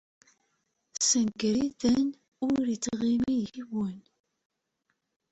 Ssenger-iten ur d-ittɣimi yiwen.